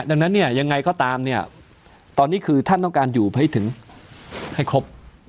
ดังนั้นเนี่ยยังไงก็ตามเนี่ยตอนนี้คือท่านต้องการอยู่ให้ถึงให้ครบ